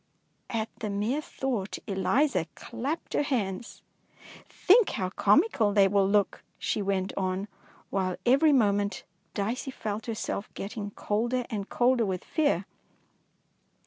^^ At the mere thought Eliza clapped her hands. " Think how comical they will look,'' she went on, while every moment Dicey felt herself getting colder and colder with fear.